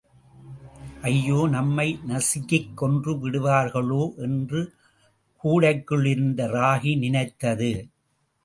ஐயோ, நம்மை நசுக்கிக் கொன்று விடுவார்களோ! என்று கூடைக்குள் இருந்த ராகி நினைத்தது.